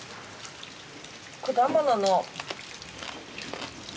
果物の。